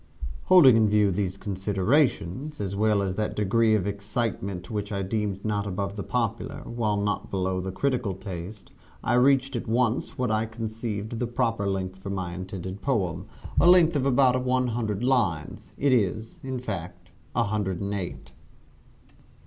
Holding in view these considerations, as well as that degree of excitement which I deemed not above the popular, while not below the critical taste, I reached at once what I conceived the proper length for my intended poem a length of about one hundred lines. It is, in fact, a hundred and eight.